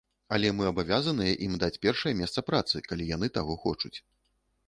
Але мы абавязаныя ім даць першае месца працы, калі яны таго хочуць.